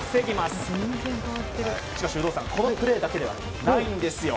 しかし有働さんこのプレーだけではないんですよ。